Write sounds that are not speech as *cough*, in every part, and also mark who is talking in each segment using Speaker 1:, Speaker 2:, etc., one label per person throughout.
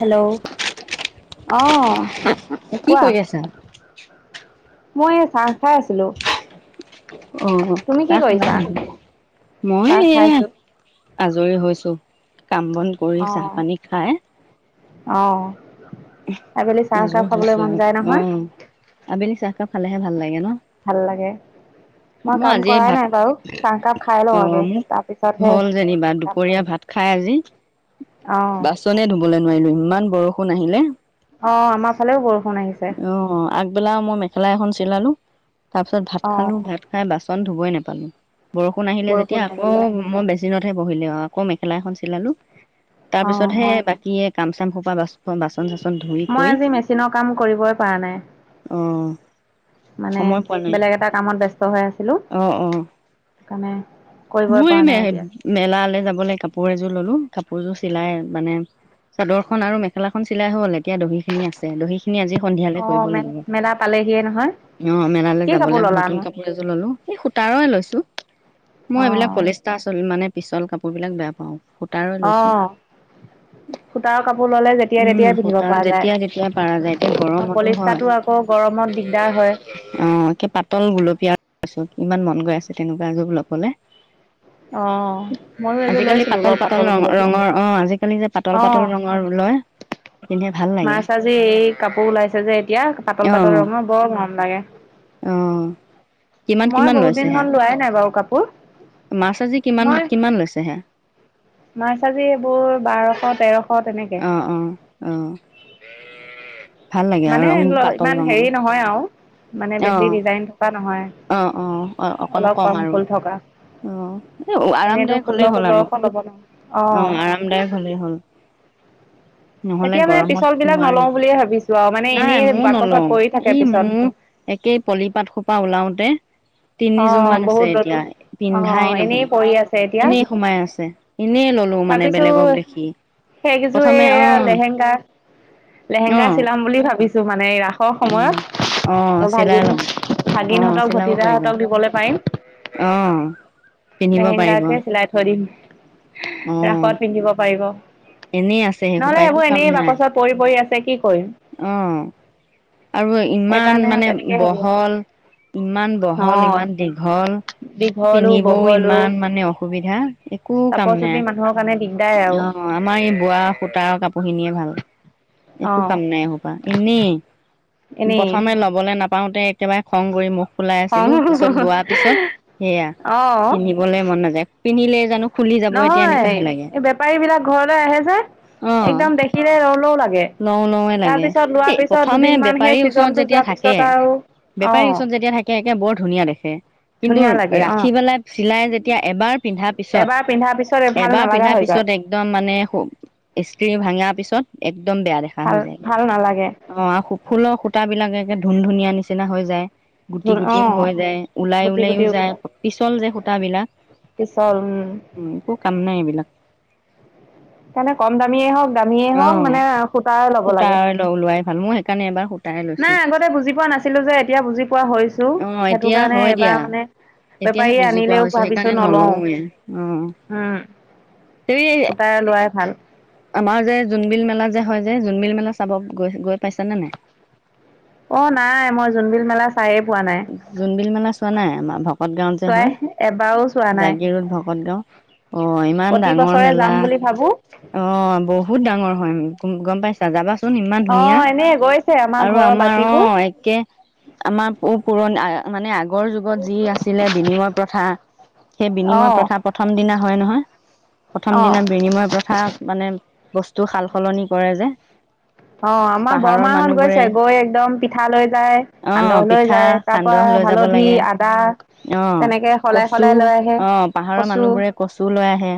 Speaker 1: Hello অ
Speaker 2: কি
Speaker 1: কোৱা,
Speaker 2: কৰি আছা?
Speaker 1: মই এই চাহ খাই আছিলো।
Speaker 2: অ
Speaker 1: তুমি কি
Speaker 2: চাহ
Speaker 1: কৰিছা
Speaker 2: খালানেকি, মই
Speaker 1: চাহ
Speaker 2: এয়া
Speaker 1: খাইছো
Speaker 2: আজৰি হৈছো। কাম বন কৰি
Speaker 1: অ
Speaker 2: চাহ পানী খাই
Speaker 1: অ। আবেলি
Speaker 2: আজৰি
Speaker 1: চাহকাপ খাবলৈ
Speaker 2: হৈছো
Speaker 1: মন
Speaker 2: আৰু,
Speaker 1: যায় নহয়
Speaker 2: অ আবেলি চাহকাপ খালে *unintelligible* ভাল লাগে ন।
Speaker 1: ভাল লাগে।
Speaker 2: মই
Speaker 1: কাম
Speaker 2: আজি
Speaker 1: কৰাই
Speaker 2: ভাত,
Speaker 1: নাই বাৰু চাহকাপ খাই
Speaker 2: অ
Speaker 1: লওঁ আগে
Speaker 2: মোৰ
Speaker 1: তাৰপিছতহে
Speaker 2: হ'ল যেনিবা
Speaker 1: কাম
Speaker 2: দুপৰীয়া
Speaker 1: কৰিম
Speaker 2: ভাত খাই আজি
Speaker 1: অ
Speaker 2: বাচনে ধুবলৈ নোৱাৰিলো। ইমান বৰষুণ আহিলে
Speaker 1: অ, আমাৰ ফালেও বৰষুণ আহিছে।
Speaker 2: *unintelligible* মই মেখেলা এখন চিলালো তাৰ পিছত ভাত
Speaker 1: অ
Speaker 2: খালো ভাত বাচন ধুবই নাপালোঁ। বৰষুণ আহিলে যেতিয়া
Speaker 1: বৰষুণ
Speaker 2: আকৌ
Speaker 1: আহিলে
Speaker 2: মই বেছি দিনতহে বহিলো অঁ আকৌ মেখেলা এখন চিলালো।
Speaker 1: অ
Speaker 2: তাৰপিছত হে বাকী কাম চাম সোপা বাচ বাচন চাচন ধুই
Speaker 1: মই
Speaker 2: কৰি
Speaker 1: আজি মেচিনৰ কাম কৰিবই পৰা নাই।
Speaker 2: অ
Speaker 1: মানে বেলেগ এটা কামত ব্যস্ত হৈ আছোঁ।
Speaker 2: অঁ অঁ
Speaker 1: *unintelligible*
Speaker 2: *unintelligible*
Speaker 1: পৰা নাই এতিয়া
Speaker 2: মেলালে যাবলে কাপোৰ এযোৰ ললো কাপোৰযোৰ চিলাই মানে চাদৰখন আৰু মেখেলাখ চিলাই হ'ল, এতিয়া দহি খিনি আছে দহি আজি সন্ধিয়ালৈ কৰিব
Speaker 1: অ', মে
Speaker 2: লাগিব।
Speaker 1: মেলা পালেহিয়ে নহয়।
Speaker 2: অ মেলালৈ
Speaker 1: কি কাপোৰ
Speaker 2: যাবলৈ নতুন
Speaker 1: ললানো?
Speaker 2: কাপোৰ এযোৰ ললো। এই সূতাৰয় লৈছোঁ। মই এইবিলাক
Speaker 1: অ',
Speaker 2: পলিস্টা-চলিস্টা মানে পিচল কাপোৰবিলাক বেয়া পাওঁ সূতাৰৰে লৈছো।
Speaker 1: অ', সূতাৰ কাপোৰ ললে যেতিয়াই
Speaker 2: উম
Speaker 1: তেতিয়াই পিন্ধিব
Speaker 2: সূতা
Speaker 1: পৰা যায়।
Speaker 2: যেতিয়াই তেতিয়াই পাৰা যায়, এতিয়া
Speaker 1: অ',
Speaker 2: গৰমতো হয়,
Speaker 1: পলিষ্টাৰটো আকৌ গৰমত দিগদাৰ হয়।
Speaker 2: অঁ একে পাতল গুলপীয়া লৈছো। ইমান মন গৈ আছে তেনেকুৱা এযোৰ লম হলনে।
Speaker 1: অ', ময়ো এযোৰ
Speaker 2: আজিকালি
Speaker 1: লৈছিলো
Speaker 2: পাতল
Speaker 1: বাৰু
Speaker 2: পাতল ৰঙ
Speaker 1: গুলপীয়া।
Speaker 2: ৰঙৰ অঁ আজিকালি যে পাতল পাতল ৰঙৰ ওলয়।
Speaker 1: মাছ আজি এই কাপোৰ ওলাইছে যে এতিয়া পাতল পাতল
Speaker 2: অ',
Speaker 1: ৰঙৰ বৰ মৰম লাগে।
Speaker 2: অ', কিমান
Speaker 1: মই
Speaker 2: কিমান
Speaker 1: বহুত
Speaker 2: লৈছে
Speaker 1: দিন
Speaker 2: সেয়া?
Speaker 1: হ'ল লোৱাই নাই বাও কাপো
Speaker 2: মাছ আজি কিমান, কিমান লৈছে হেয়া।
Speaker 1: মাছ আজি এইবোৰ বাৰশ তেৰশ। অঁ তেনেকে।
Speaker 2: অঁ, বেএ।
Speaker 1: মানে ল ইমান হেৰি নহয় আও মানে বেছি ডিজাইন থকা নহয়।
Speaker 2: অঁ অঁ অঁ অকণ
Speaker 1: অলপ
Speaker 2: কম আৰু,
Speaker 1: ফুল থকা।
Speaker 2: অঁ এ
Speaker 1: এনেতো
Speaker 2: আৰামদায়ক
Speaker 1: ষোল্ল
Speaker 2: হলেই হ'ল আৰু
Speaker 1: সোতৰশ ল'ব ন অ
Speaker 2: অঁ আৰামদায়ক হলেই হ'ল। নহলে
Speaker 1: এতিয়া মানে পিছল
Speaker 2: গৰমত
Speaker 1: বিলাক নলওঁ
Speaker 2: নোৱাৰি,
Speaker 1: বুলিয়ে ভাবিছো আৰু মানে এনেই
Speaker 2: নাই মইও নলওঁ
Speaker 1: বাকচত পৰি থাকে
Speaker 2: ই
Speaker 1: পিছত
Speaker 2: মোৰ একেই পলিপাট সোপা ওলাও তে।
Speaker 1: অ
Speaker 2: তিনিযোৰ মান আছে
Speaker 1: বহুত
Speaker 2: এতিয়া
Speaker 1: ললো অ
Speaker 2: পিন্ধাই
Speaker 1: এনেই
Speaker 2: নহয়,
Speaker 1: পৰি আছে এতিয়া
Speaker 2: এনেই সোমাই আছে। এনেই ললো মানে
Speaker 1: ভাবিছো
Speaker 2: বেলেগক দেখি
Speaker 1: সেইকেইযোৰে
Speaker 2: প্ৰথমে অ অ
Speaker 1: লেহেংগা-লেহেংগা চিলাম বুলি ভাবিছো মানে ৰাসৰ
Speaker 2: অ
Speaker 1: সময়ত
Speaker 2: অ চিলাই
Speaker 1: ভাগিন
Speaker 2: ল'ব অ
Speaker 1: ভাগিনহঁতক ভ *unintelligible*
Speaker 2: চিলাব পাৰিবা
Speaker 1: হঁতক দিবলে পাৰিম,
Speaker 2: অ পিন্ধিব পাৰিব
Speaker 1: লেহেংগাকে চিলাই থৈ দিম।
Speaker 2: অ
Speaker 1: ৰাসত পিন্ধিব পাৰিব,
Speaker 2: এনেই আছে সেইসোপা
Speaker 1: নহ'লে
Speaker 2: একো
Speaker 1: সেইবোৰ
Speaker 2: কাম
Speaker 1: এনেই
Speaker 2: নাই
Speaker 1: বাকচত পৰি পৰি আছে কি কৰিম।
Speaker 2: অ আৰু ইমান
Speaker 1: সেইকাৰণে
Speaker 2: মানে
Speaker 1: তেনেকেই ভাবি আছো
Speaker 2: বহল ইমান বহল
Speaker 1: অ
Speaker 2: ইমান দীঘল
Speaker 1: দীঘলো
Speaker 2: পিন্ধিবও
Speaker 1: বহলো
Speaker 2: ইমান মানে অসুবিধা একো কাম
Speaker 1: চাপৰ
Speaker 2: নাই।
Speaker 1: চুটি মানুহৰ কাৰণে দিগদাৰ আৰু
Speaker 2: অ' আমাৰ এই বোৱা সূতা কাপোৰখিনিয়ে ভাল।
Speaker 1: অ
Speaker 2: একো কাম নাই এইসোপা, এনেই।
Speaker 1: এনেই
Speaker 2: প্ৰথমে ল'বলে নাপ পাওঁতে একেবাৰে খং কৰি মো ফুলাই
Speaker 1: খং
Speaker 2: আছিলো পিছত লোৱাৰ পিছত সেয়া
Speaker 1: অ
Speaker 2: পিন্ধিবলৈ মন নাযায়, পিন্ধি।
Speaker 1: নহয় এই বেপাৰী বিলাক ঘৰলৈ আহে যে,
Speaker 2: অ
Speaker 1: একদম দেখিলে লওঁ লওঁ লাগে,
Speaker 2: লওঁ লওৱে
Speaker 1: তাৰ
Speaker 2: লাগে
Speaker 1: পিছত লোৱাৰ
Speaker 2: এই
Speaker 1: পিছত
Speaker 2: প্ৰথমে
Speaker 1: দুদিন মান সে
Speaker 2: বেপাৰীৰ ওচৰত যেতিয়া থাকে, বেপাৰীৰ ওচৰত যেতিয়া থাকে একে বৰ ধুনীয়া দেখে, কিন্তু
Speaker 1: ধুনীয়া লাগে অ
Speaker 2: ৰাখি পেলাই চিলাই যেতিয়া এবাৰ পিছত,
Speaker 1: এবাৰ পিন্ধাৰ পিছত ভাল
Speaker 2: এবাৰ
Speaker 1: নালাগা
Speaker 2: পিন্ধাৰ
Speaker 1: হৈ যায়
Speaker 2: পিছত একদম মানে সো ইস্ত্ৰ্ৰী ভাঙা পিছত এক একদম বেয়া দেখা
Speaker 1: ভাল
Speaker 2: হৈ যায়,
Speaker 1: ভাল নালাগে
Speaker 2: অ' আৰু সো সূতাবিলাক একে ধুন ধুনীয়া নিচিনা হৈ যায়। গুটি
Speaker 1: অ
Speaker 2: গুটিও হৈ যায় ওলাই
Speaker 1: গুটি
Speaker 2: ওলাইও
Speaker 1: গুটি
Speaker 2: যায়,
Speaker 1: উঠে
Speaker 2: পিছল যে সূতা বিলাক,
Speaker 1: পিছল উম সেইকাৰণে
Speaker 2: উম একো কাম নাই এইবিলাক।
Speaker 1: সেইকাৰণে কম দামীয়ে হওঁক
Speaker 2: অঁ, সূতাৰ লগ লোৱাই ভাল, মোৰ সেইকাৰণে এবাৰ সূতা
Speaker 1: নাই আগতে বুজি পোৱা নাছিলো যে এতিয়া বুজি পোৱা হৈছো
Speaker 2: অ
Speaker 1: সেইটো
Speaker 2: এতিয়া
Speaker 1: কাৰণে
Speaker 2: হয় দিয়া
Speaker 1: এবাৰ মানে
Speaker 2: এতিয়াহে
Speaker 1: বেপাৰীয়ে
Speaker 2: বুজি পোৱা
Speaker 1: আনিলেও
Speaker 2: হৈছো
Speaker 1: ভাবিছো
Speaker 2: সেইকাৰণে
Speaker 1: নলও,
Speaker 2: নলওৱে অ
Speaker 1: উম
Speaker 2: সেই
Speaker 1: সূতাই লোৱাই ভাল।
Speaker 2: আমাৰ যে জোনবিল মেলা যে হয় যে জোনবিল মেলা চাব গৈ গৈ পাইছ নে নাই।
Speaker 1: অঁ নাই মই জোনবিল মেলা চায়ে পোৱা নাই।
Speaker 2: *unintelligible* নাই আমাৰ ভক্ ভকত গাঁও যে
Speaker 1: চোৱাই
Speaker 2: হয়,
Speaker 1: এবাৰো চোৱা নাই
Speaker 2: জাগি ৰোদ ভকত গাঁও, অঁ ইমান
Speaker 1: প্ৰতি
Speaker 2: ডাঙৰ
Speaker 1: বছৰে যাম
Speaker 2: মেলা,
Speaker 1: বুলি ভাবো
Speaker 2: অঁ বহুত ডাঙৰ হয়। উম গম পাইছা যাবা চোন চোন ইমান
Speaker 1: অ
Speaker 2: ধুনীয়া
Speaker 1: এনে গৈছে
Speaker 2: আৰু
Speaker 1: ঘৰৰ
Speaker 2: আমাৰ
Speaker 1: বাকীবোৰ
Speaker 2: অঁ, একে আমাৰ মানে আগ আগৰ যুগত যি আছিলে বিনিময় প্ৰথা, সেই
Speaker 1: অ
Speaker 2: বিনিময় প্ৰথা প্ৰথম দিনা হয় নহয়, প্ৰথম
Speaker 1: অ
Speaker 2: দিনা বিনিময় প্ৰথা মানে বস্তু সাল সলনি কৰে যে।
Speaker 1: অ আমাৰ
Speaker 2: পাহাৰৰ
Speaker 1: বৰমাহত
Speaker 2: মানুহবোৰে
Speaker 1: গৈছে, গৈ একদম পিঠা লৈ যায়,
Speaker 2: অ
Speaker 1: সান্দহ লৈ
Speaker 2: পিঠা,
Speaker 1: যায়
Speaker 2: ‌
Speaker 1: তাৰ পৰা
Speaker 2: সান্দহ লৈ যাব
Speaker 1: হালধি
Speaker 2: লাগে,
Speaker 1: আদা
Speaker 2: অ'
Speaker 1: তেনেকে সলাই
Speaker 2: কচু,
Speaker 1: সলাই লৈ আহে
Speaker 2: অ' পাহাৰৰ
Speaker 1: কচু
Speaker 2: মানুহবোৰে কচু লৈ আহে,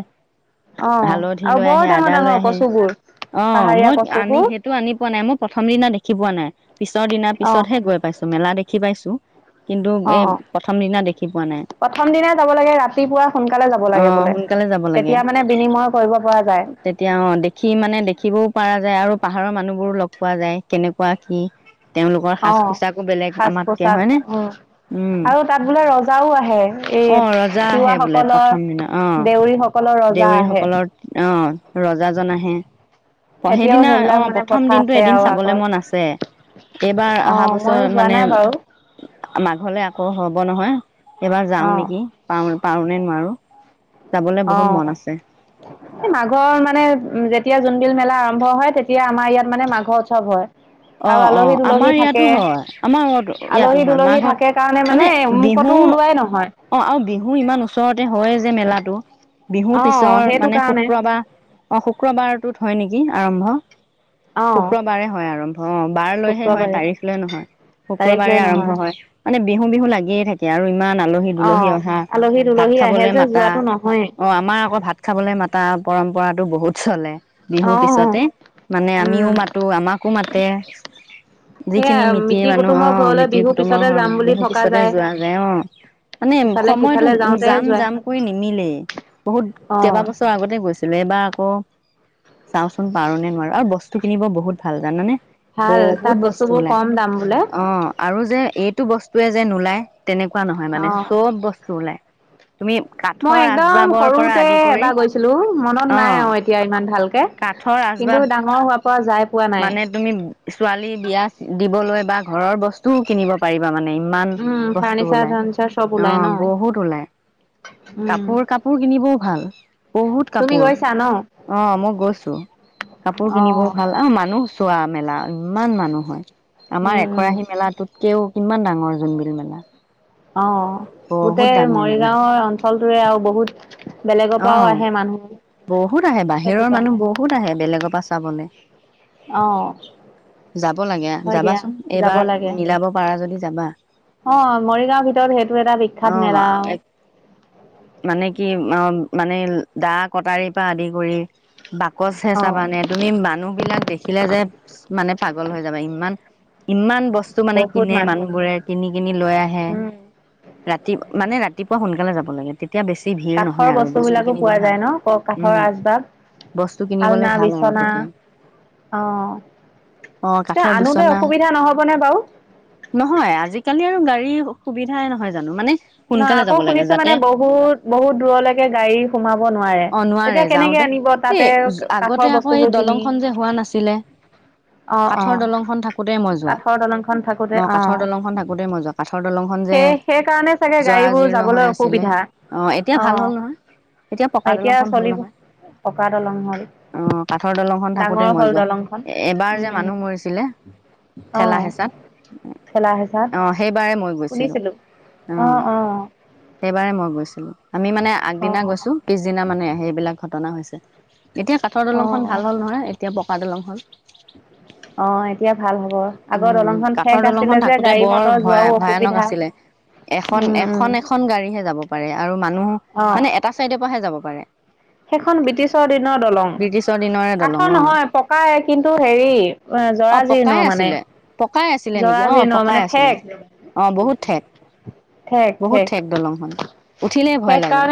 Speaker 1: অ
Speaker 2: হালধি
Speaker 1: আৰু
Speaker 2: লৈ
Speaker 1: বৰ
Speaker 2: আহে,
Speaker 1: ডাঙৰ
Speaker 2: আদা লৈ
Speaker 1: ডাঙৰ
Speaker 2: আহে,
Speaker 1: কচুবোৰ
Speaker 2: অ
Speaker 1: পাহাৰীয়া
Speaker 2: মই আনি
Speaker 1: কচুবোৰ
Speaker 2: সেইটো আনি পোৱা নাই, মোৰ প্ৰথম দিনা দেখি পোৱা নাই। পিছৰ দিনা,
Speaker 1: অ
Speaker 2: পিছতহে গৈ পাইছোঁ। মেলা দেখি পাইছোঁ কিন্তু
Speaker 1: অ
Speaker 2: এই
Speaker 1: অ
Speaker 2: প্ৰথম দিনা দেখি পোৱা নাই
Speaker 1: প্ৰথম দিনে যাব লাগে, ৰাতিপুৱা সোনকালে যাব
Speaker 2: অ
Speaker 1: লাগে বোলে,
Speaker 2: সোনকালে যাব
Speaker 1: ‌
Speaker 2: লাগে
Speaker 1: তেতিয়া মানে বিনিময় কৰিব পৰা যায়।
Speaker 2: তেতিয়া অ দেখি মানে দেখিবও পৰা যায় আৰু পাহাৰৰ মানুহবোৰো লগ পোৱা যায়, কেনেকুৱা কি। তেওঁলোকৰ সাজ পোছাকো বেলেগ। আমাতকে
Speaker 1: পোচাক
Speaker 2: হয়নে
Speaker 1: উ,
Speaker 2: উম
Speaker 1: আৰু তাত বোলে ৰজাওঁ আহে,
Speaker 2: অ
Speaker 1: এই
Speaker 2: ৰজা আহে বোলে প্ৰথম
Speaker 1: তিৱাসকলৰ,
Speaker 2: দিনা অ
Speaker 1: দেউৰীসকলৰ ৰজা
Speaker 2: দেউৰী
Speaker 1: আহে।
Speaker 2: সকলৰ অ'! ৰজাজন আহে,
Speaker 1: এতিয়াও
Speaker 2: সেইদিনা অ'
Speaker 1: সেইবিলাক মানে
Speaker 2: প্ৰথম
Speaker 1: প্ৰথা
Speaker 2: দিনতটো
Speaker 1: আছে
Speaker 2: এদিন
Speaker 1: আৰু
Speaker 2: চাবলৈ
Speaker 1: আগৰ
Speaker 2: মন আছে। এইবাৰ
Speaker 1: অ
Speaker 2: অহা
Speaker 1: ময়ো
Speaker 2: বছৰ
Speaker 1: যোৱা
Speaker 2: মানে
Speaker 1: নাই বাৰু
Speaker 2: আমা ঘৰলে আকৌ হ'ব নহয়। এবাৰ যাও
Speaker 1: অ
Speaker 2: নেকি, পা, পাৰোঁ নে নোৱাৰোঁ!
Speaker 1: অ এই মাঘৰ মানে, উ যেতিয়া যোনবিল মেলা আৰম্ভ হয়, তেতিয়া আমাৰ ইয়াত মানে মাঘ উৎসৱ হয়।
Speaker 2: অ,
Speaker 1: আৰু
Speaker 2: অ!
Speaker 1: আলহী দুলহী
Speaker 2: আমাৰ
Speaker 1: থাকে
Speaker 2: ইয়াতো হয়, আমাৰ ইয়াতো
Speaker 1: আলহী
Speaker 2: হয়,
Speaker 1: দুলহী
Speaker 2: মাঘত,
Speaker 1: থাকে কাৰণে
Speaker 2: মানে বিহু
Speaker 1: ক'তো ওলোৱাই নহয়।
Speaker 2: অ' আৰু বিহু ইমান ওচৰতে হয়ে যে মেলাটো। বিহুৰ
Speaker 1: অ
Speaker 2: পিছৰ
Speaker 1: সেইটো
Speaker 2: মানে
Speaker 1: কাৰণে
Speaker 2: শুক্ৰবাৰ, অ' শুক্ৰবাৰতটোত হয় নেকি! দিন আৰম্ভ
Speaker 1: অ
Speaker 2: শুক্ৰবাৰে হয় আৰম্ভ। অ' বাৰ লৈহে হয়,
Speaker 1: শুক্ৰবাৰে
Speaker 2: তাৰিখ লৈ নহয়।
Speaker 1: তাৰিখ
Speaker 2: শুক্ৰবাৰে
Speaker 1: লৈ
Speaker 2: আৰম্ভ
Speaker 1: নহয়
Speaker 2: হয়, মানে বিহু বিহু লাগিয়ে থাকে। আৰু ইমান আলহী
Speaker 1: অ
Speaker 2: দুলহী অহা,
Speaker 1: আলহী
Speaker 2: ভাত
Speaker 1: দুলহী আহে
Speaker 2: খাবলে
Speaker 1: যে
Speaker 2: মাতা,
Speaker 1: যোৱাটো নহয়েই
Speaker 2: অ আমাৰ আকৌ ভাত খাবলে মাতা পৰম্পৰা খোৱাটো বহুত চলে।
Speaker 1: অ
Speaker 2: বিহুৰ পিছতে, মানে
Speaker 1: উম
Speaker 2: আমিও মাতো আমাকো মাত
Speaker 1: সেয়া
Speaker 2: যিখিনি মিতিৰ মানুহ,
Speaker 1: কুটুমৰ
Speaker 2: অ',
Speaker 1: ঘৰলৈ
Speaker 2: মিতিৰ
Speaker 1: বিহুৰ
Speaker 2: কুটুমৰ
Speaker 1: পিছতে যাম
Speaker 2: ঘৰলৈ
Speaker 1: বুলি
Speaker 2: বিহুৰ
Speaker 1: থকা
Speaker 2: পিছতে যোৱা যায়, অ'! মানে
Speaker 1: ইফালে
Speaker 2: সময়তটো
Speaker 1: সিফালে যাওঁতে
Speaker 2: জাম
Speaker 1: যোৱা
Speaker 2: জাম কৰি নিমিলেই, বহুত,
Speaker 1: অ
Speaker 2: কেইবা বছৰ আগতে গৈছিলোঁ। এইবাৰ অ' চাওঁচোন পাৰোঁ নে নোৱাৰোঁ! আৰু বস্তু কিনিব বহুত ভাল জানানে?
Speaker 1: ভাল তাত
Speaker 2: বহুত বস্তু
Speaker 1: বস্তুবোৰ
Speaker 2: বোলে,
Speaker 1: কম দাম বোলে
Speaker 2: অ' আৰু যে এইটো বস্তুৱয়ে যে নোলায় তেনেকুৱা নহয় মানে,
Speaker 1: অ
Speaker 2: চব বস্তু ওলাই। তুমি
Speaker 1: মই
Speaker 2: কাঠৰ
Speaker 1: একদম
Speaker 2: আচবাবৰ পৰা
Speaker 1: সৰুতে
Speaker 2: আদি কৰি
Speaker 1: এবাৰ গৈছিলোঁ, মনত
Speaker 2: অ
Speaker 1: নাই আৰু এতিয়া ইমান ভালকে,
Speaker 2: কাঠৰ
Speaker 1: কিন্তু
Speaker 2: আচবাব
Speaker 1: ডাঙৰ হোৱা
Speaker 2: মানে তুমি ছোৱালী বিয়া দিবলৈ বা ঘৰৰ বস্তুও কিনিব পাৰিবা মানে ইমান
Speaker 1: উম
Speaker 2: বস্তু
Speaker 1: ফাৰ্নিচাৰ
Speaker 2: ওলাই,
Speaker 1: চাৰ্নিচাৰ চব ওলাই
Speaker 2: অঁ
Speaker 1: ন
Speaker 2: বহুত ওলাই
Speaker 1: উম
Speaker 2: কাপোৰ কাপোৰ কিনিবও ভাল বহুত
Speaker 1: তুমি
Speaker 2: কাপোৰ,
Speaker 1: গৈছা ন?
Speaker 2: অঁ মই গৈছো কাপোৰ কিনিবও
Speaker 1: অহ
Speaker 2: ভাল অঁ মান বা মেলা ইমান মানুহ হয়। আমাৰ
Speaker 1: উম উম
Speaker 2: এখৰাহী মেলাতো কেও কিমান ডাঙৰ জোনবিল মেলা।
Speaker 1: অঁ
Speaker 2: বহুত
Speaker 1: গোটেই
Speaker 2: ডাঙৰ
Speaker 1: মৰিগাঁৱৰ অঞ্চলটোৰে আৰু বহুত বেলেগৰ পৰাও
Speaker 2: অঁ
Speaker 1: আহে মানুহ
Speaker 2: বহুত আহে
Speaker 1: সেইটো
Speaker 2: বাহিৰৰ
Speaker 1: কাৰণে
Speaker 2: মানুহ বহুত আহে বেলেগৰ পাছ যাবলে
Speaker 1: অঁ
Speaker 2: লাগে
Speaker 1: হয় দিয়া,
Speaker 2: যাবাচোন
Speaker 1: যাব
Speaker 2: এইবাৰ
Speaker 1: লাগে,
Speaker 2: মিলাব পাৰা যদি যাবা।
Speaker 1: অঁ মৰিগাঁওৰ ভিতৰত সেইটো এটা বিখ্যাত মেলা আও।
Speaker 2: অ' মানে কি অম মানে দা কটাৰীৰ পা আদি কৰি বাকচ এ
Speaker 1: অহ
Speaker 2: চাবানে তুমি মানুহবিলাক দেখিলে যে মানে পাগল হৈ যাবা ইমান ইমান ব বস্তু মানে
Speaker 1: বহুত
Speaker 2: কিনে
Speaker 1: মানুহ
Speaker 2: মানুহবোৰে কিনি কিনি লৈ আহে,
Speaker 1: উম
Speaker 2: ৰাতি মানে ৰাতিপুৱা সোনকা যাব লাগে এতিয়া বেছি বি ভিৰ
Speaker 1: কাঠৰ
Speaker 2: নহয় আৰু বস্তু
Speaker 1: বিলাকো
Speaker 2: কিনিব
Speaker 1: পোৱা
Speaker 2: ভাল,
Speaker 1: যায় ন ক
Speaker 2: উম
Speaker 1: কাঠৰ আচবাব
Speaker 2: বস্তু কিনিবলে
Speaker 1: আলনা
Speaker 2: ভাল আৰু
Speaker 1: বিচনা
Speaker 2: তেতিয়া,
Speaker 1: অ
Speaker 2: অঁ
Speaker 1: তে
Speaker 2: কাঠৰ
Speaker 1: আনোতে
Speaker 2: বিচনা,
Speaker 1: অসুবিধা নহ'বনে বাৰু
Speaker 2: নহয় আজিকালি আৰু গাড়ীৰ সুবিধাই নহয় জানো মানে
Speaker 1: নহ
Speaker 2: সোনকালে
Speaker 1: আকৌ
Speaker 2: যাব লাগে
Speaker 1: শুনিছো মানে
Speaker 2: যাতে
Speaker 1: বহুত বহুত বহুত দূৰলৈকে গাড়ী সোমাব নোৱাৰে,
Speaker 2: অ
Speaker 1: তেতিয়া
Speaker 2: নোৱাৰে
Speaker 1: কেনেকে
Speaker 2: যাওঁতে
Speaker 1: আনিব
Speaker 2: এই
Speaker 1: তাতে কাঠৰ
Speaker 2: আগতে আকৌ এই
Speaker 1: বস্তুবোৰ কিনি।
Speaker 2: দলংখন যে হোৱা নাছিলে
Speaker 1: অঁ
Speaker 2: কাঠৰ
Speaker 1: অঁ,
Speaker 2: দলংখন থাকোতে মই যোৱা
Speaker 1: কাঠৰ দলংখন
Speaker 2: অ
Speaker 1: থাকোতে অঁ,
Speaker 2: কাঠৰ দলংখন থাকোতে মই যোৱা কাঠৰ দলংখন
Speaker 1: সে
Speaker 2: যে
Speaker 1: সেইকাৰণে তেতিয়া গাড়ীবোৰ যাবলৈ অসুবিধা
Speaker 2: অঁ, এতিয়া
Speaker 1: অ
Speaker 2: ভাল হ'ল নহয়, এতিয়া পকা দলংখন হ'ল নহয়।
Speaker 1: পকা দলং হ'ল
Speaker 2: অঁ, কাঠৰ দলংখন থাকোতে
Speaker 1: ডাঙৰ
Speaker 2: মই
Speaker 1: হ'ল
Speaker 2: যোৱা।
Speaker 1: দলংখন
Speaker 2: এবাৰ যে
Speaker 1: উম উম
Speaker 2: মানুহ মৰিছিলে,
Speaker 1: অ
Speaker 2: ঠেলা হেঁচাত।
Speaker 1: ঠেলা হেঁচাত
Speaker 2: অঁ, সেইবাৰে মই গৈছিলো।
Speaker 1: শুনিছিলো অ
Speaker 2: অঁ,
Speaker 1: অ
Speaker 2: সেইবাৰে মই গৈছিলো *unintelligible* আমি মানে
Speaker 1: অ
Speaker 2: আগদিনা গৈছো, পিছদিনা মানে সেইবিলাক ঘটনা হৈছে। এতিয়া কাঠৰ
Speaker 1: অ
Speaker 2: দলংখন ভাল হ'ল নহয় এতিয়া পকা দলং হ'ল।
Speaker 1: অঁ এতিয়া ভাল হ'ব আগৰ
Speaker 2: উম,
Speaker 1: দলংখন
Speaker 2: কাঠৰ
Speaker 1: ঠেক আছিলে
Speaker 2: দলংখন
Speaker 1: যে
Speaker 2: থাকোতে
Speaker 1: গাড়ী
Speaker 2: বৰ
Speaker 1: মটৰ
Speaker 2: ভয়া
Speaker 1: যোৱাও
Speaker 2: ভয়ানক
Speaker 1: অসুবিধা
Speaker 2: আছিলে, এখন
Speaker 1: উম উম
Speaker 2: এখন এখন গাড়ীহে যাব পাৰে আৰু মানুহ
Speaker 1: অ
Speaker 2: মানে এটা চাইডে অহে যাব পাৰে।
Speaker 1: সেইখন ব্ৰিটিছৰ দিনৰ দলং,
Speaker 2: ব্ৰিটিছৰ দিনৰে দলং
Speaker 1: কাঠৰ
Speaker 2: অ',
Speaker 1: নহয় পকাই কিন্তু হেৰি, জৰাজীৰ্ণ মানে
Speaker 2: ছিলে পকাই আছিলে নেকি অ',
Speaker 1: জৰাজীৰ্ণ
Speaker 2: পকাই
Speaker 1: মানে
Speaker 2: আছিলে,
Speaker 1: ঠেক
Speaker 2: অ', বহুত ঠেক বহুত ঠেক দলংখন, উঠিলেই ভয় লাগে।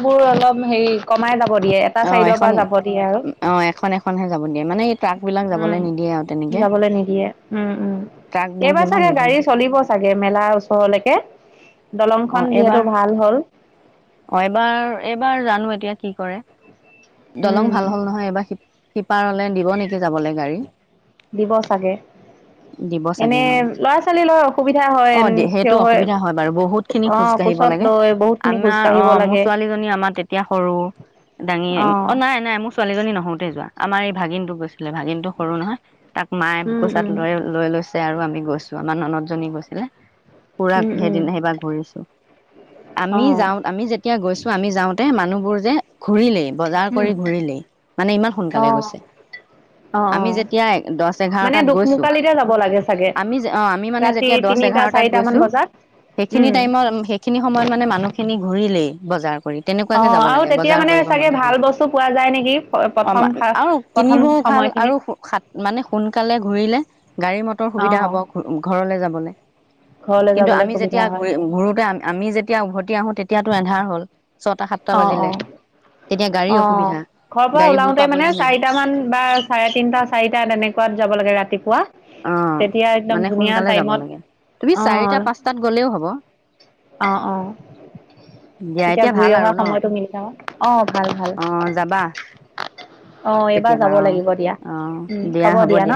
Speaker 1: বোৰ অলপ হেৰি কমাই যাব দিয়ে এটা
Speaker 2: অ'
Speaker 1: চাইডৰ
Speaker 2: এখন,
Speaker 1: পৰা যাব দিয়ে আৰু
Speaker 2: অ' এখন এখনহে যাব দিয়ে মানে এই ট্ৰাক বিলাক
Speaker 1: উম
Speaker 2: যাবলৈ নিদিয়ে আৰু তেনেকে।
Speaker 1: যাবলৈ নিদিয়ে উম, উম,
Speaker 2: ট্ৰাক বোৰ
Speaker 1: এইবাৰ
Speaker 2: কিমান
Speaker 1: চাগে
Speaker 2: ওজন
Speaker 1: গাড়ী চলিব চাগে মেলাৰ ওচৰলৈকে,
Speaker 2: অ
Speaker 1: দলংখন যিহেতু
Speaker 2: এইবাৰ
Speaker 1: ভাল হ'ল।
Speaker 2: অ এইবাৰ এইবাৰ জানো এতিয়া কি কৰে। দলং
Speaker 1: উম
Speaker 2: ভাল হল নহয় এবাৰ সিপ সিপাৰলে দিব নেকি যাবলে। গাড়ী।
Speaker 1: দিব চাগে,
Speaker 2: দিব
Speaker 1: এনে
Speaker 2: চাগে অ
Speaker 1: ল'ৰা-ছোৱালী লৈ অসুবিধা
Speaker 2: অ
Speaker 1: হয়
Speaker 2: সেইটো
Speaker 1: থিয় হৈ
Speaker 2: অসুবিধা হয় বাৰু বহুত খিনি খোজ
Speaker 1: অ',
Speaker 2: কাঢ়িব
Speaker 1: কোচত
Speaker 2: লাগে
Speaker 1: লৈ বহুত খিনি খোজ
Speaker 2: আমাৰ অ
Speaker 1: কাঢ়িব
Speaker 2: মোৰ
Speaker 1: লাগে।
Speaker 2: ছোৱালীজনী আমাৰ তেতিয়া সৰু দাঙি, অ' নাই নাই মোৰ ছোৱালীজনী নহৌতেই যোৱা, আমাৰ এই ভাগিনটো গৈছিলে, ভাগিনটো সৰু নহয়। তাক মায়ে
Speaker 1: উম উম
Speaker 2: বুকুচাত লৈ- লৈ লৈছে আৰু আমি গৈছো, আমাৰ ননদজনী গৈছিলে পুৰা
Speaker 1: উম উম
Speaker 2: সেইদিনা সেইবাৰ ঘূৰিছো।
Speaker 1: অ
Speaker 2: আমি যাওঁ আমি যেতিয়া গৈছো আমি যাওঁতে মানুহবোৰ যে ঘূৰিলেই। বজাৰ
Speaker 1: উম,
Speaker 2: কৰি ঘূৰিলেই মানে ইমান
Speaker 1: অ
Speaker 2: সোনকালে গৈছে।
Speaker 1: অ অ
Speaker 2: আমি যেতিয়া দছ
Speaker 1: মানে
Speaker 2: এঘাৰটাত গৈছোঁ
Speaker 1: দোকমোকালিতে যাব লাগে চাগে
Speaker 2: আমি অ', আমি মানে
Speaker 1: ৰাতি
Speaker 2: যেতিয়া দছ
Speaker 1: তিনিটা
Speaker 2: এঘাৰটাত
Speaker 1: চাৰিটামান
Speaker 2: গৈছোঁ,
Speaker 1: বজাত
Speaker 2: সেইখিনি
Speaker 1: উম
Speaker 2: টাইমত সেইখিনি সময়ত মানে মানুহখিনি ঘূৰিলেই। বজাৰ।
Speaker 1: অ
Speaker 2: তেনেকুৱাকে যাব
Speaker 1: আৰু
Speaker 2: লাগে
Speaker 1: তেতিয়া
Speaker 2: বজাৰ
Speaker 1: মানে চাগে
Speaker 2: *unintelligible*
Speaker 1: ভাল
Speaker 2: থাকিলে
Speaker 1: বস্তু পোৱা যায় নেকি
Speaker 2: অ
Speaker 1: প্ৰথম
Speaker 2: আৰু
Speaker 1: প্ৰথম
Speaker 2: কিনিবও ভাল আৰু
Speaker 1: সময়খিনিত
Speaker 2: মানে সোনকালে ঘূৰিলে গাড়ী মটৰ
Speaker 1: অ
Speaker 2: সুবিধা হ'ব, ঘ ঘৰলে যাবলে।
Speaker 1: ঘৰলৈ
Speaker 2: কিন্তু
Speaker 1: যাবলৈ
Speaker 2: আমি যেতিয়া
Speaker 1: সুবিধা হয়
Speaker 2: ঘূৰি ঘূুৰোতে আমি যেতিয়া উভতি আহো তেতিয়াতো এন্ধাৰ হ'ল। ছটা সাতটা বাজিলে। তেতিয়া গাড়ী
Speaker 1: অঁ,
Speaker 2: অসুবিধা
Speaker 1: ঘৰৰ পৰা
Speaker 2: গাড়ীবোৰ
Speaker 1: ওলাওতে মানে
Speaker 2: পাবলৈ নাই
Speaker 1: চাৰিটামান বা চাৰে তিনটা চাৰিটা টা তেনেকুৱাত যাব লাগে ৰাতিপুৱা।
Speaker 2: অঁ
Speaker 1: তেতিয়া একদম
Speaker 2: মানে
Speaker 1: ধুনীয়া
Speaker 2: সোনকালে যাব
Speaker 1: টাইমত
Speaker 2: লাগে, তুমি চাৰিটা
Speaker 1: অ',
Speaker 2: পাঁচটাত গ'লেও হ'ব,
Speaker 1: অ', অ',
Speaker 2: দিয়া
Speaker 1: তেতিয়া
Speaker 2: এতিয়া
Speaker 1: ঘূৰি
Speaker 2: ভাল
Speaker 1: অহা
Speaker 2: আৰু। ন
Speaker 1: সময়টো মিলি যাম, অঁ ভাল-ভাল,
Speaker 2: অ যাবা
Speaker 1: অ এইবাৰ
Speaker 2: কেতিয়াবা
Speaker 1: যাব লাগিব দিয়া,
Speaker 2: অ অ
Speaker 1: হ'ব দিয়া ন।